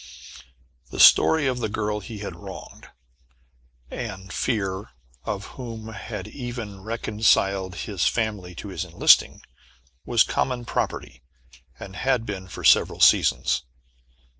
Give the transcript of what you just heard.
The story of the girl he had wronged, and fear of whom had even reconciled his family to his enlisting, was common property, and had been for several seasons.